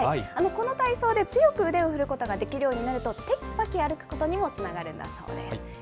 この体操で強く腕を振ることができるようになると、てきぱき歩くことにもつながるんだそうです。